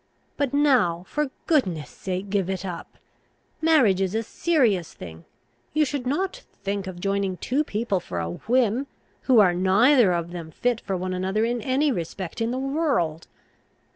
But now, for goodness' sake, give it up! Marriage is a serious thing. You should not think of joining two people for a whim, who are neither of them fit for one another in any respect in the world.